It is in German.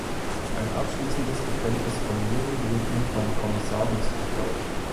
Ein abschließendes Geständnis von Jürgen wird ihm vom Kommissar nicht geglaubt.